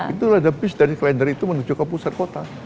itu ada bis dari kalender itu menuju ke pusat kota